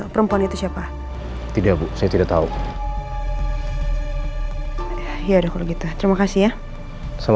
perempuan itu siapa tidak saya tidak tahu ya udah kalau gitu terima kasih ya sama sama bu